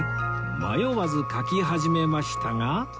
迷わず描き始めましたが